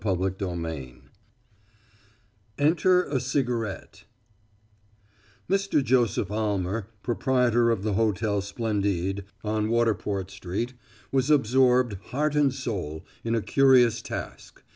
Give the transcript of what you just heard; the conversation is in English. '" CHAPTER XIII ENTER, A CIGARETTE Mr. Joseph Almer, proprietor of the Hotel Splendide, on Waterport Street, was absorbed, heart and soul, in a curious task.